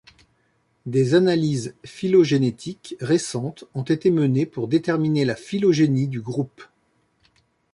Des analyses phylogénétiques récentes ont été menées pour déterminer la phylogénie du groupe.